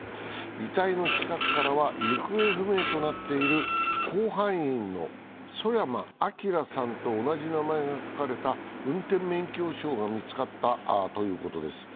遺体の近くからは行方不明となっている甲板員の曽山聖さんと同じ名前が書かれた運転免許証が見つかったということです。